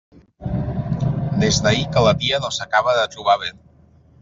Des d'ahir que la tia no s'acaba de trobar bé.